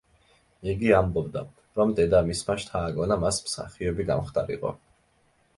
იგი ამბობდა, რომ დედამისმა შთააგონა მას მსახიობი გამხდარიყო.